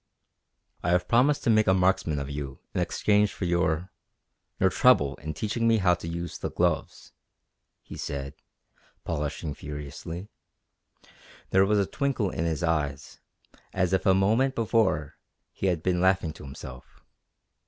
"I have promised to make a marksman of you in exchange for your your trouble in teaching me how to use the gloves," he said, polishing furiously. There was a twinkle in his eyes, as if a moment before he had been laughing to himself.